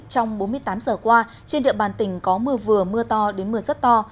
trong bốn mươi tám giờ qua trên địa bàn tỉnh có mưa vừa mưa to đến mưa rất to